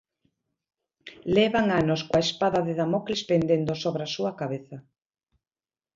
Levan anos coa espada de Damocles pendendo sobre a súa cabeza.